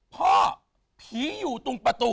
พ่อผีอยู่ตรงประตู